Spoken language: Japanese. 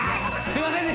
すいません！